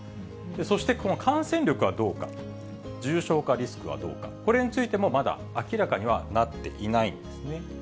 そして、この感染力はどうか、重症化リスクはどうか、これについてもまだ明らかにはなっていないんですね。